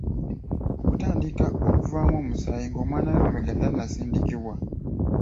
Okutandika okuvaamu omusaayi ng'omwana ow'emabega tannasindikibwa.